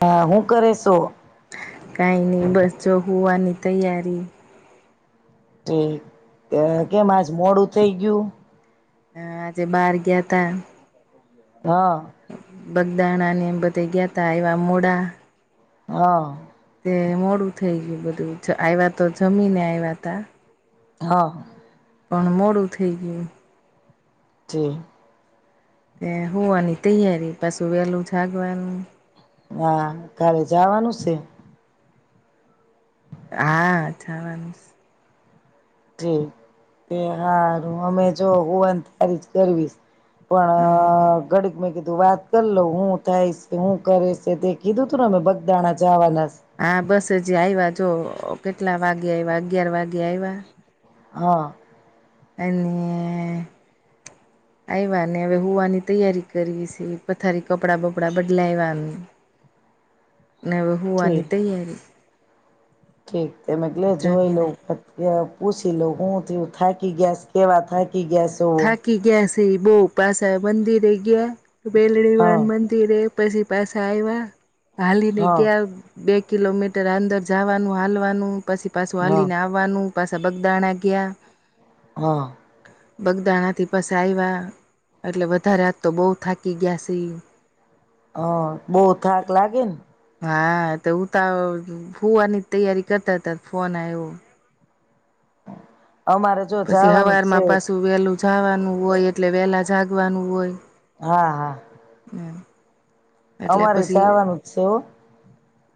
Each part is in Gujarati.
હ હું કરે સો. બ જો હુવાની તૈયારી. તે અ કેમ આજ મોડું થઈ ગયું. હ આજે બાર ગ્યા તા. હા. બગદાણાને એમ બધા ગ્યા તા આવ્યા મોડા. હા. તે મોડું થઈ ગયું બધું આવ્યા તો જમીને આવ્યા તા. હા. પણ મોડું થઈ ગયું. જે. એ હોવાની તૈયારી પાસુ વેલું જાગવાનું. હા કાલે જવાનું સે. હા જવાનુ એ હારું અમે જો હુંવાન ત્યારી જ કરીએશે. હ પણ ગડીક મેકી વાત કરી લઉ હું થાય છે હું કરે છે તે કીધું તું ને અમે બગદાણા જાવાના હા બસ હ જે આવ્યા જો કેટલા વાગે આવ્યા અગિયાર વાગે આવ્યા. હા. અને આવ્યાને હવે હોવાની તૈયારી કરી છે પથારી કપડાં બપડા બદલાઇવા. ને હવે હોવાની ઠીક તૈયારી. ઠીક તે મેં કીધું કે જોઈ લઉં. જમીને પુસી લવ હુ થિયું થાકી ગ્યા સ કેવા થાક થાકી ગ્યાસો. તે બહુ પાસા મંદિરે ગ્યા. મેલડી માઁ હા ને મંદિરે. પછી પાસા આવ્યા. ખાલીને હા [unintelligible] બેગ કિલોમીટર અંદર જવાનું હાલવાનું પછી પાછું હા હાલીને આવવાનું પાછા બગદાણા ગયા હા બગદાણાથી પાસા આવ્યા એટલે વધારે હાથ તો બહુ થાકી ગયા સી હા બહુ થાક લાગે ને હા, તો ઉતા હુવાની તૈયારી કરતા હતા ને ફોન આવ્યો અમારે જો પછી જવાનું હવાર જ છે માં પાસું વેલું જાવાનું હોય એટલે વેલા જાગવાનું હોય હા, હા. હ અમારે જાવાનું જ છે હો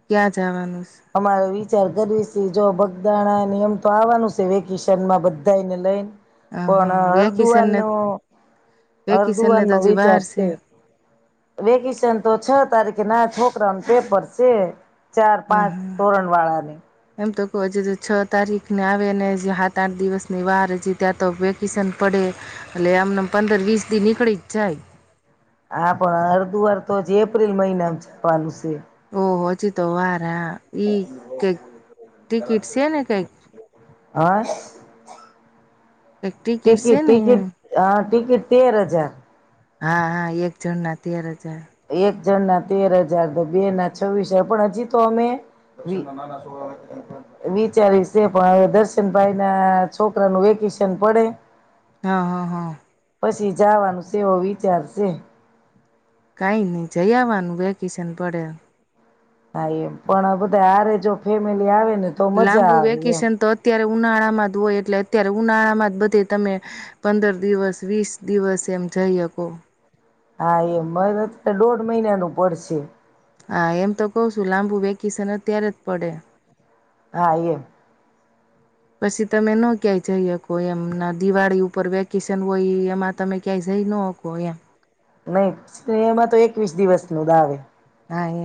ક્યાં જવાનું છે? અમારે વિચાર કરવી છે, જો ભ. બાણા નિયમ તો આવવાનું છે વે કિશન માં બધા ને લઈને હ પણ હા અરદુઆર વેકેશનને નો વેકેશનને અરદુઆર નો તો હજી વાર વિચાર છે વેકેશન તો છ તારીખે ના ઠો છોકરાને પેપર ચાર હ પાંચ. તોરણવાળાને હજુ છ તારીખને આવે ને સાત, આઠ દિવસની વાર હજી ત્યાં તો વેકેશન પડે એટલે અમને પંદર, વીસ દી નીકળી જ જાય હા, પણ અડધું વાર તો જ એપ્રિલ મહિનામ જવાનું છે ઓ હજુ તો વાર હા ઈ કઈક ટિકિટ છે ને કઈક હા કઈક છે ટિકિટ, ને એમ ટિકિટ અ ટિકિટ તેર હજાર હા, હા, એક જણ ના તેર હજાર એક જણ ના તેર હજાર બે ના છવ્વીસ હજાર પણ હજી તો અમે વિચારીશે પણ હ દર્શનભાઈ ના છોકરાનું વેકેશન પડે હા, હા, હા પછી જવાનું સેવો વિચારશે કઈ નહી જઈ આવવાનું વેકેશન પડે હા, એમ પણ બધા આરે જો ફેમિલી આવે ને તો મજા લાંબુ આવે એમ વેકેશન તો અત્યારે ઉનાળામાં જ હોય એટલે અત્યારે ઉનાળામાં જ બધે તમે પંદર દિવસ, વીસ દિવસ એમ જઈ શકો હા, એમ અત્યારે દોઢ મહિનાનું પડશે હા, એમ તો કહ છું લાંબુ વેકેશન અત્યારે જ પડે હા, અઈમ પછી તમે ન ક્યાંય જઈ હકો એમ ના દિવાળી ઉપર વેકેશન હોય એમાં તમે ક્યાંય જઈ ન હકો એમ નહી એમાં તો એકવીસ દિવસ નું જ આવે ના એ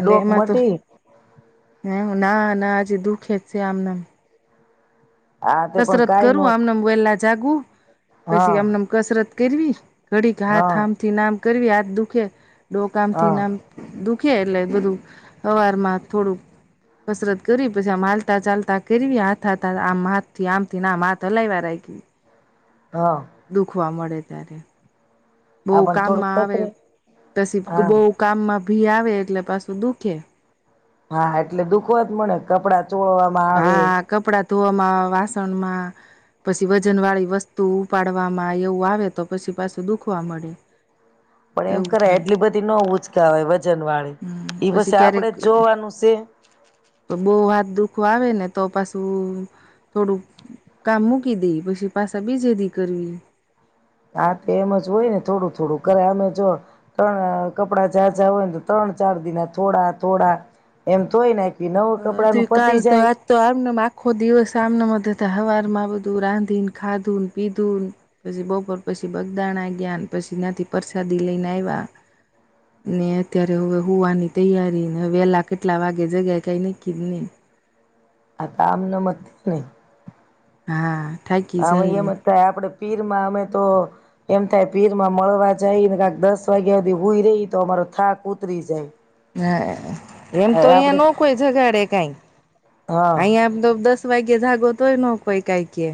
એ એમાં તો, મટી હ, ના, ના જેધું ખેત છે આમનામ. આ તે પણ કસરત કઈ ન કરું આમનેમ વેલા જાગવું હા પછી આમનેમ કસરત કરવી. ઘડી હાથ હા આમથીનામ કરવી આજ દુખે. ડોકામ હા થીનામ દુઃખ [unintelligible] એટલે બધું અવાર માં થોડુંક કસરત કર પછી માલતા ચાલતા કરવી હાથ હાથા આમ થી આમ થી ના આ ત હલાઈ વાર આવી ગય. હા દુખવા મળે. [unintelligible] બો આ પણ થોડુંક કામમાં આવે તતરે પછી હા બહુ કામમાં ભી આવે એટલે પાછું દુખે. હા એટલે દુખવા જ મળે કપડા હા કપડા ધોવામાં વાસ [unintelligible] પછી વજન વાળી વસ્તુ ઉપાડવામાં એવું આવે તો પછી પાછું દુખવા મળે. પણ એમ એવું કર થાય એટલી બધી ન ઉંચકા હોય વજન વાળી એઈ બછ પછી ક્યારેક આપડે જોવાનું છે. આખું આવે ને તો પાછું થોડુંક કામ મૂકી દે પછી પાછા બીજેદી કરીયે. હા તો એમ જ હોય ને થોડું થોડું કર અમે જો ત્રણ કપડા જાા -જાાં હોય ને તો ત્રણ ચાર દિના થોડા- થોડા એમ તો હોય ને અ ત કાલ તો આજ તો આમના આખો દિવસ આમના મ [unintelligible] હવાર માં બધું રાંધી ને ખાધું ને પીધું ને પછી બપોર પછી બગદાણ આ ગયા પછી ના્યાથી પરસાદી લઈને આવ્યા ને અત્યારે હવે હુવાની તૈયારી ને વહેલા કેટલા વાગે જગ્યા કઈને કીરની. આ આમન મત નહી. હા. થાકી હમે એમ જાય જ થાય આપડ પીર માં અમે તો એમ થાય પીર માં મળવા જાય ને કક દસ વાગ્યા સુધી હોઈ રહી તો અમારો થાક ઉતરી જાય. હ એમ તો અહિયા આપડે ન કોઈ જગાડે કઈ. હા અહીયા તો દસ વાગે જાગો તો હોય નકોય કઈ કે.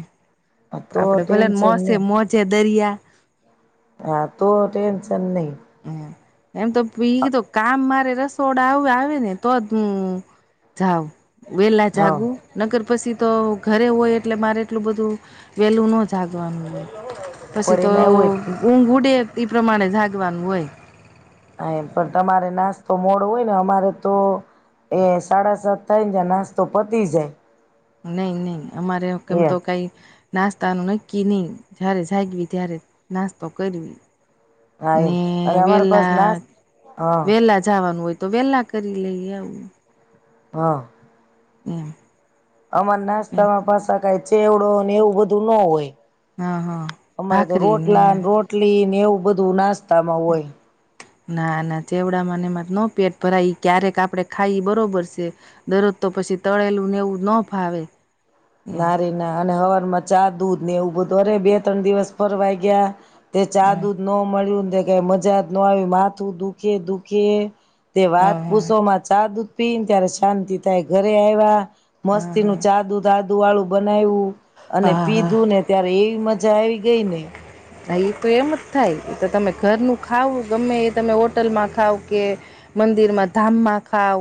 તો આપડે ભલે મો ટેન્શન છે નહી મોજે દરિયા હા તો ટેન્શન નહી. હ. એમ તો પી તો કામ મારે રસ સોડ આવે ને તો જ હું જાઉ. વેલા હા જાગું નગર પછી તો ઘરે હોય એટલે મારે એટલું બધું વેલ્યું ન જાગવાનું. પછી પણ તો એમાં એવું હોય ઊંઘ ઉડે. એ પ્રમાણે. દવાનય. હા પણ તમારે નાસ્તો મોડો હોય ને અમારે તો એ સાડા સાત થાય ને નાસ્તો પતી જાય. નહી નહી. અમારે કેમ તો એમ કંઈ. નાસ્તાનું નક્કી નહી જારે જાગવી ત્યારે નાસ્તો કરવી. હા ને એમ અને અમારી પાસે વેલા નાસ્ હા વેલા જવાનું હોય. તો વેલા કરી લઈએ આવું. હા. હા. અમર નાસ્તામાં પા કાય. ચેવડો ને એવું બધું ન હોય. હા હા અમારે તો ભાખરી ને રોટલા રોટલી. એનેવું બધું ના. ના ના ચેવડા મને ન. પેટ ભરાઈ ક્યારેક આપડે ખાઈ બરોબર છે દરરોજ તો પછી તળેલું ને એવું ના ફાવે. નારી ના અને હવા. ચા દૂધ ને એવું બધું અરે બે ત્રણ દિવસ ફરવાઈ ગયા. તે ચાદુ ન મળ્યું. કઈ મજા જ ન આવી માથું દુખે દુખે તે વાત હા હા પૂસોમાં ચા દુધ પી ને ત્યારે શાંતિ થાય ઘરે આવ્યા. હા મસ્તી નું હા ચા દુધ. આદુ વાળું બનાવ્યું અને હા હા પીધું ને ત્યારે એવી મજા. મજા આવી ગઈ ને. હા એ તો એમ જ થાય એ તો તમે ઘરનું ખાવ ગમે એ તમે હોટલમાં ખાવ કે મંદિરમાં ધામમાં ખાવ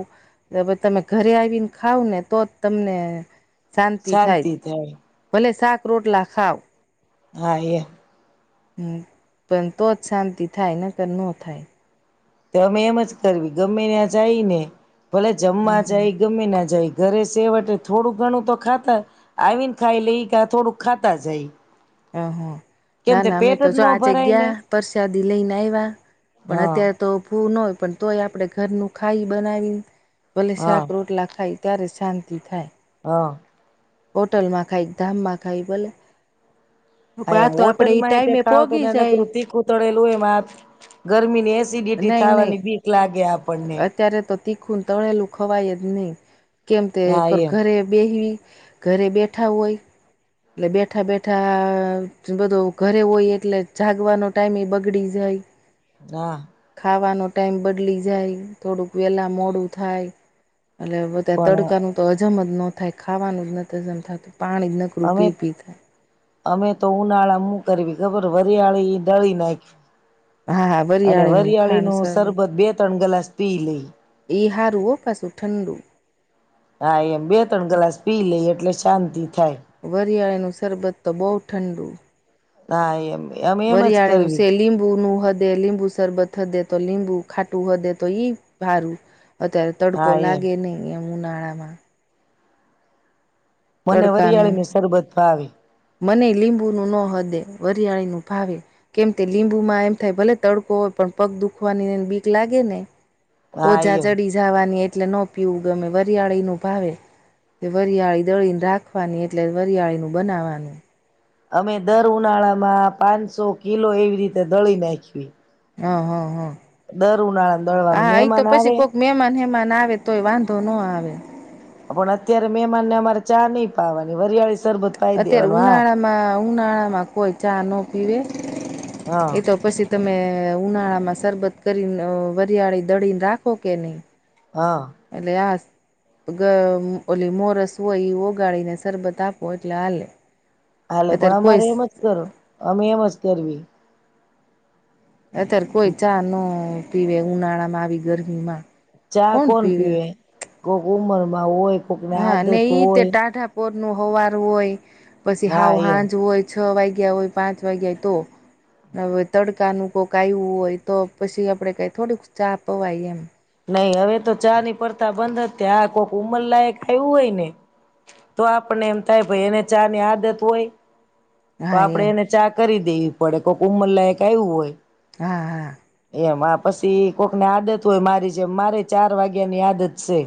તમે ઘરે આવીને ખાવ ને તોજ તમને. શાંતિ થાય ભલે શાક રોટલા ખાાવ. હા એ. હમ પણ તો જ શાંતિ થાય ન કર નો થાય. તો અમે એમ જ કરવી ગમે ત્યા જાય ને. ભલે હ જમવા હા જાય ગમે ના જાય ઘરે છેેવટે થોડું ઘણું તો ખાતા. આવીને ખાઈ લઈ કે થોડું ખાતા જાય. હ હા કેમ ના તે ના અમે પેટ તો જ ન આજે ભરાય ને ગયા પ્રસાદી લઈને આવ્યા પણ હા અત્યારે તો ભૂનો. પણ તોય આપણે ઘરનું ખાઈ બનાવીને ભલે હા શાક રોટલા ખાય ત્યારે શાંતિ દેખાય. હા હોટલમાં ખાય, ધામમાં ખાય ભલે. પણ હા આ એમ તો આપડે હોટલ એ માં ઈ ટાઈમે ખાવ તો પોગી ન્યા નકરુ જાય તીખું ને તળૅલુ એમાં ગરમી ની અ એસીડિટી નહી થાય એની બીક લાગે આપણ ને તીખૂં અને તળેલુ ખવાય જ નહીં. કેમ કે એ હા કર એમ ઘરે બેહી ઘરે બેઠા હોય એટલે બેઠા બેઠા બધો ઘરે હોય એટલે જાગવાનો ટાઈમ એ બગડી જાય. હા ખાવાનો ટાઈમ બદલી જાય થોડુંક વેલા મોડું થાય. હલે એ તે પણ તડકાનું તો હજમ જ ન થાય ખાવાનું જ હજમ નથ થતું. પાણી નકરૂ અમે પી પી થાય. અમે તો ઉનાળા માં શુ કરયે ખબર વરિયાળી દળી નાખીએ. હા હા વરિયાળીનું ખાંડ સરબત શરબત બે ત્રણ ગ્લાસ પી લઈ ઈ હારું ઓ પાસુ ઠંડુ. હા એમ. બે ત્રણ ગલાસ પીઈ લયે એટલે શાંતિ થાય વરિયાળી નું શરબત તો બો ઠંડુ હા એમ અમે એમ જ વરિયાળી નું કરવી સે લીંબુ નું હો દે લીંબુ શરબત થ દેતો લીંબુ ખાટુ હો દેતો ઈ ભારી અત્યારે તડકો હા એમ લાગે નહિ એમ ઉનાળા માં [inaudible] મને વરિયાળી તડકાનું નું શરબત ભાવે મને લીંબુ નું ન હદે વરિયાળી નું ભાવે કેમ કે લીંબુમાં એમ થાય ભલે તડકો હોય પણ પગ દુખવાની બીક લાગે ને. હા સોજા એમ ચડી જવાની એ એટલે ન પીવું ગમે વરિયાળી નું ભાવે. વરિયાળી દળીને રાખવાની એટલે વરિયાળીનું બનાવવાનું. [inaudible] અમે દર ઉનાળામાં પાંનસો કિલો એવી રીતે દળી નાખયે. હા હા હા. દળવાનું હા એ તો મહેમાન પછી આવે કોક મહેમાન હેમાન આવે તોય વાંધો. તો ન આવે. પણ અત્યારે મેમાનને અમારે ચા નહિ પાવાની વરિયાળી શરબત પાઈ અત્યારે દેવાનું હા ઉનાળા માં ઉનાળા માં કોઈ ચા ન પીવે. હા એ તો ઉપપસ્થિત. તમે ઉનાળા માં સરબત કરીને વરિયાળી દળીને રાખો કે નહી. હા એટલે ઓલી મોરસ હોય એ ઓગાળીને સરબત આપો એટલે હાલે. હાલે પણ અત્યારે કોઈ અમારે એમ જ કરો અમે એમ જ. કરવી. અત્યારે કોઈ ચા નહિ ઉનાળામાં આવી ગરમી માં ચા કોણ પીવે? કોઈક ઉંમર માં હોય. કોકને હા ને આદત તે હોય ટાઢાપોર નું હોવા. અ હોઈ. પછી હા હાવ એમ હાંજ હોય. છ વાગ્યા હોય પાંચ વાગ્યા તો હવે તડકાનું કોઈક આવું હોય તો પછી આપડે કઈ થોડુંક ચા પવાય એમ. નઈ હવે તો ચા ની પરથા બંધ હતી આ કોઈક ઉમરલાયક આવ્યું હોય ને તો આપને એમ થાય એને ચા ની આદત હોય. તો હા આપડે એમ એને ચા કરી દે. પડે કોઈક ઉમર લયક આવું હોય. હા હા. એમ આ પછી કોકને આદત હોય મારી જેમ મારે ચાર વાગ્યા ની આદત છે.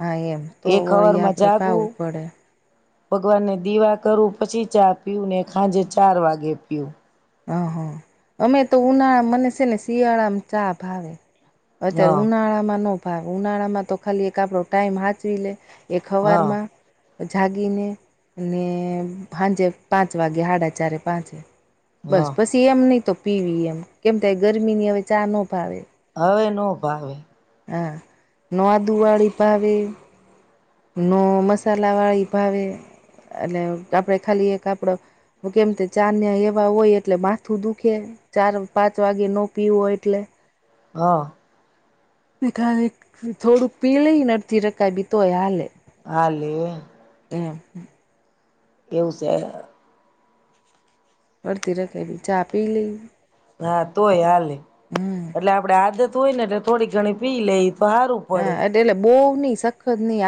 હા એમ તો એક હવાર વળી માં આપડે જાગવું પાવું પડે. ભગવાનને દીવા કરવું પછી ચા પીવું ને ખાંજે ચાર વાગે પીું. હહ અમે તો ઉનાળા મને છે ને શિયાળામાં ચા ભાવે. અત્યારે હા ઉનાળામાં ન. પણ ઉનાળામાં તો ખાલી એક આપડો ટાઈમ સાચવી લે. હા એકખબરમાં. જાગીને અને સાંજે પાંચ વાગે હાડા ચારે પાંચે. બસ હા પસી એમ નહીં તો. પીવી એમ કેમ થ ગરમી ની હવે ચા ન ભાવે. હવે ન ભાવે. હ ન દુઆરીી પાવે. નો મસાલા વાળી ભાવે એટલે આપણે ખાલી એક આપડો કેમ કે ચાાન્યા એવા હોય એટલે માથું દુખે ચાર પાંચ વાગ્યે ન પીવું હોય એટલે. હા. ને ખા એક થોડુંક પી લઈને અડથી રખાય બી તોય હાલે. હા લે. ને હમ્મ. કેવું સે? અડતી રખેવી ચા પી લઈ? હા તોય હાલે. હમ એટલે આપડે આદત તોઈ નટે થોડી ઘણી પી લઈ. તો હારું પડે. હા એટે બહું ની સખત નહીં આપ